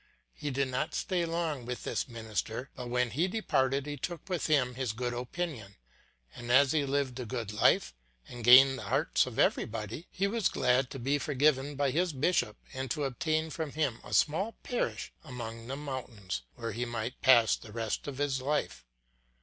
He did not stay long with this minister, and when he departed he took with him his good opinion; and as he lived a good life and gained the hearts of everybody, he was glad to be forgiven by his bishop and to obtain from him a small parish among the mountains, where he might pass the rest of his life.